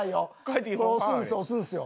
押すんですよ押すんですよ。